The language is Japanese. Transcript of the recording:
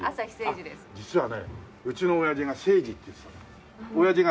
実はねうちの親父が清次っていうんです。